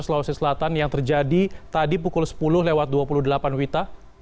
sulawesi selatan yang terjadi tadi pukul sepuluh lewat dua puluh delapan wita